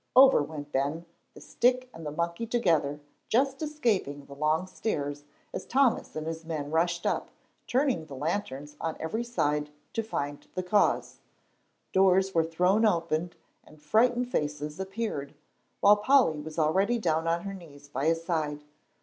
Over went Ben, the stick, and monkey together, just escaping the long stairs, as Thomas and his men rushed up, turning the lanterns on every side to find the cause. Doors were thrown open and frightened faces appeared, while Polly was already down on her knees by his side.